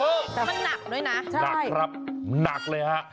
มันหนักด้วยนะหนักครับหนักเลยฮะ